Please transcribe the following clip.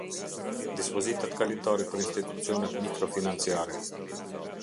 Dispozitat kalimtare për institucionet mikrofinanciare.